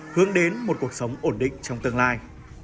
hướng đến một cuộc sống ổn định trong tương lai